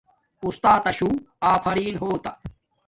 استاتا شو افرین ہوتا